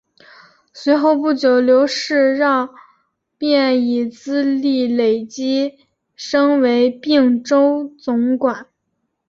随后不久刘世让便以资历累积升为并州总管。